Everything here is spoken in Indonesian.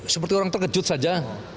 seperti orang terkejut saja